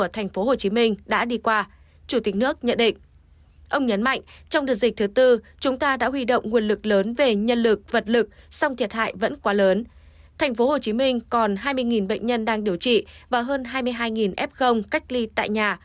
thành phố hồ chí minh còn hai mươi bệnh nhân đang điều trị và hơn hai mươi hai f cách ly tại nhà